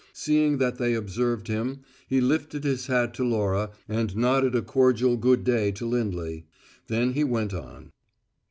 Seeing that they observed him, he lifted his hat to Laura and nodded a cordial good day to Lindley. Then he went on.